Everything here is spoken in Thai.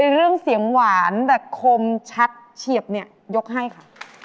เรื่องเสียงหวานแบบคมชัดเฉียบเนี่ยยกให้ค่ะ